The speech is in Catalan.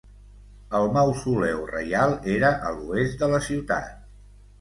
El mausoleu reial era a l'oest de la ciutat.